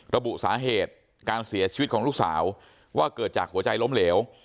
ระบุสาเหตุการเสียชีวิตของลูกสาวว่าเกิดจากหัวใจล้มเหลว